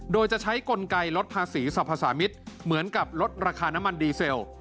โดยจะใช้กลไกลดภาษีสรรพสามิตรเหมือนกับลดราคาน้ำมันดีเซล